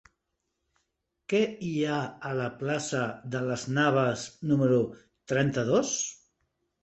Què hi ha a la plaça de Las Navas número trenta-dos?